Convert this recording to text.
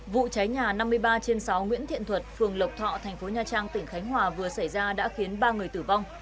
vụ cháy nhà năm mươi ba trên sáu nguyễn thiện thuật phường lộc thọ thành phố nha trang tỉnh khánh hòa vừa xảy ra đã khiến ba người tử vong